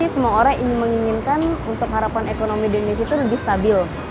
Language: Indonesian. semua orang menginginkan untuk harapan ekonomi di indonesia itu lebih stabil